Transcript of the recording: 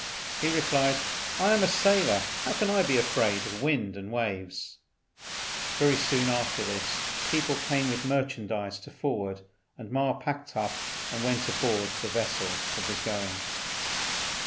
He replied, "I am a sailor: how can I be afraid of wind and waves?" Very soon after this people came with merchandise to forward, and so Ma packed up and went on board the vessel that was going.